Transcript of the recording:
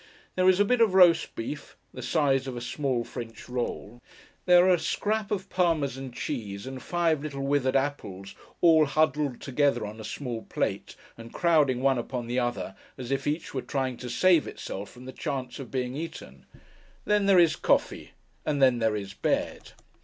There is a bit of roast beef, the size of a small French roll. There are a scrap of Parmesan cheese, and five little withered apples, all huddled together on a small plate, and crowding one upon the other, as if each were trying to save itself from the chance of being eaten. Then there is coffee; and then there is bed.